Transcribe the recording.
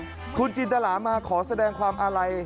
และก็มีการกินยาละลายริ่มเลือดแล้วก็ยาละลายขายมันมาเลยตลอดครับ